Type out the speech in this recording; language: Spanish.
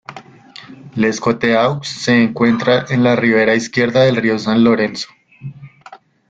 Les Coteaux se encuentra en la ribera izquierda del río San Lorenzo.